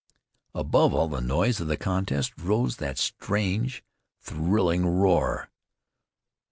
Above all the noise of the contest rose that strange, thrilling roar.